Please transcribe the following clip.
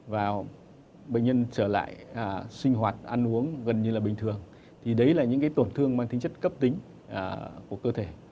và bệnh nhân trở lại sinh hoạt ăn uống gần như là bình thường thì đấy là những cái tổn thương mang tính chất cấp tính của cơ thể